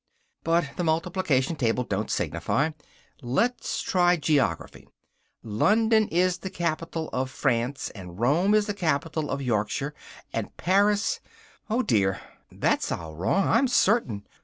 But the Multiplication Table don't signify let's try Geography. London is the capital of France, and Rome is the capital of Yorkshire, and Paris oh dear! dear! that's all wrong, I'm certain!